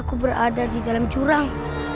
gue pasti menang